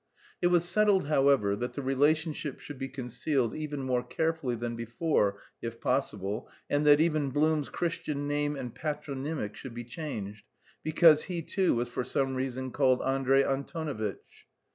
It was settled, however, that the relationship should be concealed even more carefully than before if possible, and that even Blum's Christian name and patronymic should be changed, because he too was for some reason called Andrey Antonovitch.